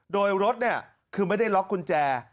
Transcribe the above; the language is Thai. โดยรถเนี่ยคือไม่ได้ล็อกกุญแจ